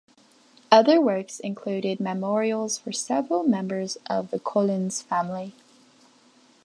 Other works included memorials for several members of the Collyns family.